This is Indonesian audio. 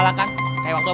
abis itu perlu mikir